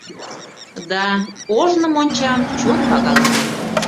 — Да, ожно мончам чот пагаленыт.